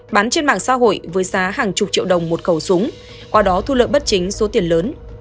bán trên mạng xã hội với giá hàng chục triệu đồng một khẩu súng qua đó thu lợi bất chính số tiền lớn